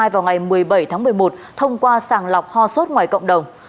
vào ngày một mươi bảy tháng một mươi một thông qua sàng lọc ho sốt ngoài cộng đồng